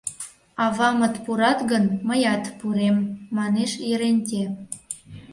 Авамыт пурат гын, мыят пурем, — манеш Еренте.